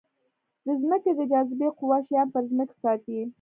د ځمکې د جاذبې قوه شیان پر ځمکې ساتي.